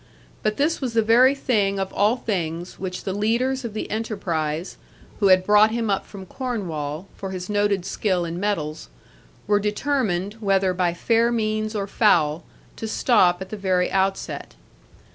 But this was the very thing of all things which the leaders of the enterprise, who had brought him up from Cornwall, for his noted skill in metals, were determined, whether by fair means or foul, to stop at the very outset.